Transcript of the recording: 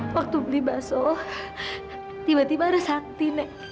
waktu beli baso tiba tiba ada sakti nek